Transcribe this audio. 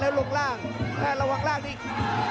แล้วลงร่างแม่ระวังร่างนิดนึง